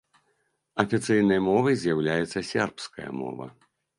Афіцыйнай мовай з'яўляецца сербская мова.